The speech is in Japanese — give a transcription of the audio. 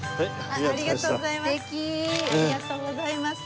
ありがとうございます。